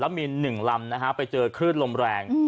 แล้วมีหนึ่งลำนะฮะไปเจอคลื่นลมแรงอืม